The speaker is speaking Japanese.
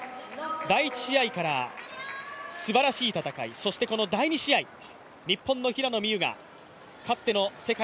第１位試合からすばらしい戦い、そしてこの第２試合、日本の平野美宇がかつての世界